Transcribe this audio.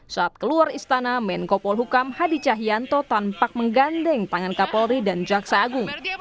saat keluar istana menko polhukam hadi cahyanto tampak menggandeng tangan kapolri dan jaksa agung